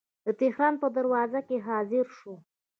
د تهران په دروازه کې حاضر شو.